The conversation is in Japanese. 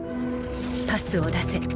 パスを出せ。